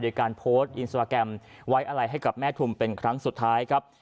โดยการโพสต์อินสตราแกรมไว้อะไรให้กับแม่ทุมเป็นครั้งสุดท้ายครับ